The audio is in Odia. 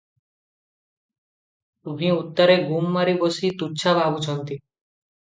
ତହିଁ ଉତ୍ତାରେ ଗୁମ୍ ମାରି ବସି ତୁଚ୍ଛା ଭାବୁଛନ୍ତି ।